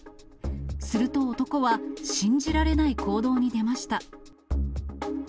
すると男は、信じられない行動に出ました。